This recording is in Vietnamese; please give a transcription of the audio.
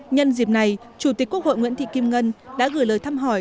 nhân dịp này chủ tịch quốc hội nguyễn thị kim ngân đã gửi lời thăm hỏi